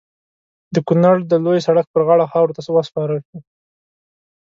د کونړ د لوی سړک پر غاړه خاورو ته وسپارل شو.